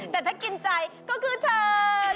แต่ถ้ากินใจก็คือเธอ